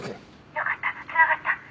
「よかった繋がった。